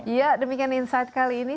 ya demikian insight kali ini